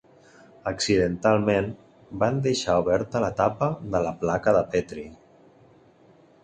Accidentalment van deixar oberta la tapa de la placa de Petri.